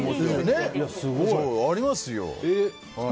ありますよ。